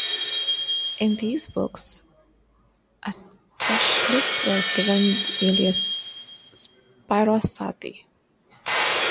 In these books, Atteshlis was given the alias Spyros Sathi.